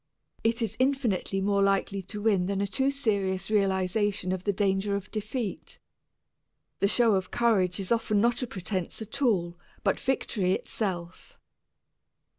It is infinitely more likely to win than a too serious realization of the danger of defeat. The show of courage is often not a pretense at all, but victory itself.